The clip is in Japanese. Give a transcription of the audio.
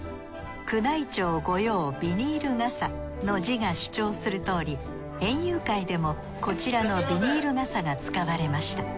「宮内庁御用ビニール傘」の字が主張するとおり園遊会でもこちらのビニール傘が使われました。